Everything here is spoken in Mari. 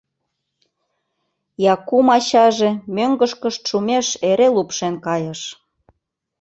Якум ачаже мӧҥгышкышт шумеш эре лупшен кайыш.